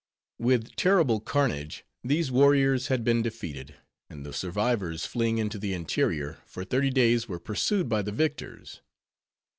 With terrible carnage, these warriors had been defeated; and the survivors, fleeing into the interior, for thirty days were pursued by the victors.